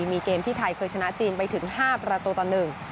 มีเกมที่ไทยเคยชนะจีนไปถึง๕ประตูต่อ๑